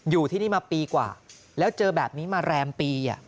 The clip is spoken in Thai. อยู่ที่นี่มาปีกว่าแล้วเจอแบบนี้มาแรมปี